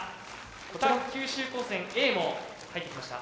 北九州高専Ａも入ってきました。